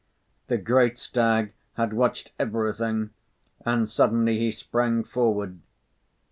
The great stag had watched everything and suddenly he sprang forward.